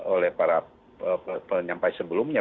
oleh para penyampai sebelumnya